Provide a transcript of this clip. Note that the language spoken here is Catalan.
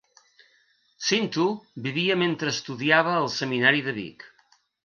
Cinto vivia mentre estudiava al seminari de Vic.